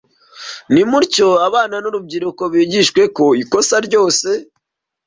Nimutyo abana n’urubyiruko bigishwe ko ikosa ryose